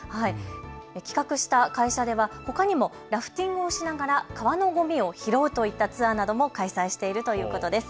企画した会社では、ほかにもラフティングをしながら川のごみを拾うといったツアーなども開催しているということです。